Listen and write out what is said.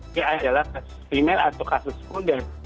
dia adalah kasus primel atau kasus kondek